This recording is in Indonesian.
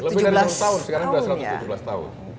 lebih dari enam tahun sekarang sudah satu ratus tujuh belas tahun